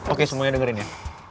oke semuanya dengerin ya